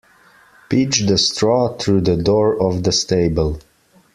Pitch the straw through the door of the stable.